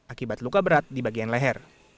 akibat luka berat di bagian leher